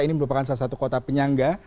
ini merupakan salah satu kota penyangga